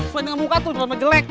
sepanjang muka tuh sama jelek